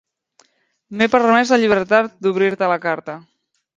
M'he permès la llibertat d'obrir-te la carta.